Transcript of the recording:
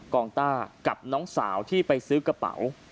องต้ากับน้องสาวที่ไปซื้อกระเป๋า